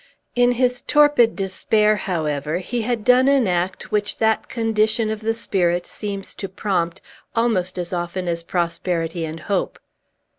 In his torpid despair, however, he had done an act which that condition of the spirit seems to prompt almost as often as prosperity and hope.